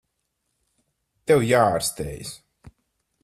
Tev jāārstējas.